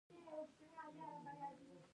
کلیت علاقه؛ کل ذکر سي او مراد ځني جز يي.